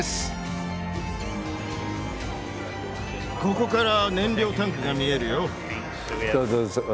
ここから燃料タンクが見えるよ。